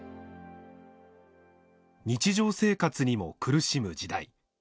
日常生活にも苦しむ時代。